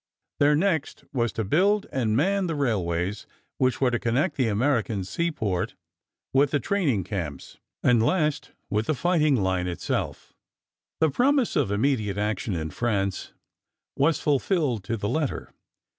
Their next was to build and man the railways which were to connect the American seaport with the training camps, and last, with the fighting line itself. The promise of immediate action in France was fulfilled to the letter.